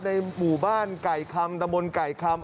ในหมู่บ้านไก่คำตะบนไก่คำ